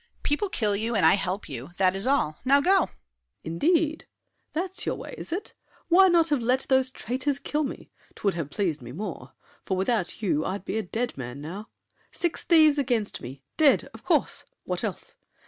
People kill you, and I help you—that is all! Now go! SAVERNY. Indeed! That's your way, is it? Why not have let Those traitors kill me? 'Twould have pleased me more. For without you I'd be a dead man now. Six thieves against me! Dead! Of course! What else?